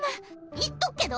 言っとくけど。